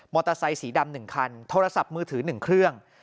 เตอร์ไซค์สีดำ๑คันโทรศัพท์มือถือ๑เครื่อง